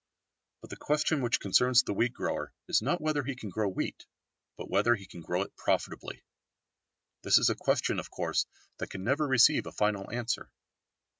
But the question which concerns the wheat grower is not whether he can grow wheat, but whether he can grow it profitably. This is a question of course that can never receive a final answer.